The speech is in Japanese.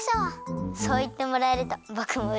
そういってもらえるとぼくもうれしいです。